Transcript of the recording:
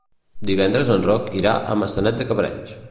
Divendres en Roc irà a Maçanet de Cabrenys.